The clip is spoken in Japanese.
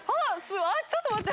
ちょっと待って！